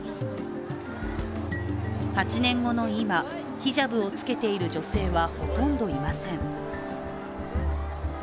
８年後の今、ヒジャブをつけている女性はほとんどいません。